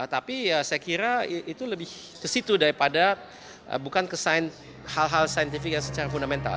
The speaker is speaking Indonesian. tapi ya saya kira itu lebih ke situ daripada bukan hal hal sains yang secara fundamental